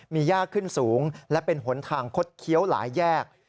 มียากขึ้นสูงและเป็นหนทางคดเคี้ยวหลายแยก